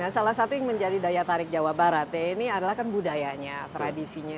salah satu yang menjadi daya tarik jawa barat ya ini adalah kan budayanya tradisinya